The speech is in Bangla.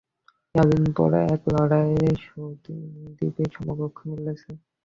এতদিন পরে এই লড়াইয়ে সন্দীপের সমকক্ষ মিলেছে।